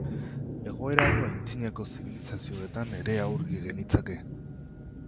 Egoera hau antzinako zibilizazioetan ere aurki genitzake.